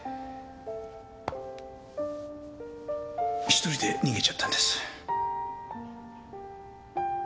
１人で逃げちゃったんです。